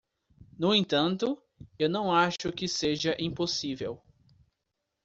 No entanto? eu não acho que seja impossível.